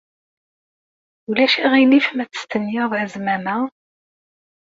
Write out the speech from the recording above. Ulac aɣilif ma testenyaḍ azmam-a?